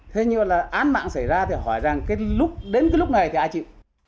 thế như vậy là án mạng xảy ra thì hỏi rằng đến cái lúc này thì ai chịu